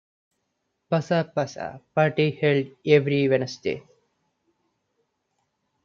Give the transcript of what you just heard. Passa Passa party held every Wednesday.